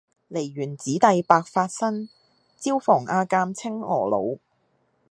梨園子弟白發新，椒房阿監青娥老。